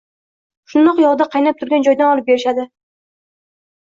Shundoq yog‘da qaynab turgan joyidan olib berishadi